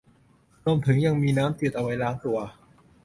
รวมถึงยังมีน้ำจืดเอาไว้ล้างตัว